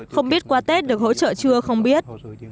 không biết qua tết được hỗ trợ chưa không biết